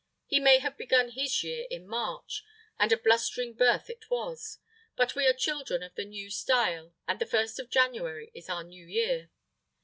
He may have begun his year in March, and a blustering birth it was. But we are children of the new style, and the first of January is our New Year.